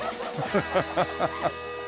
ハハハハ。